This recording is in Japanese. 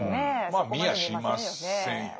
まあ見やしませんよね。